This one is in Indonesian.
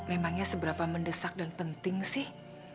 memangnya seberapa mendesak dan penting sih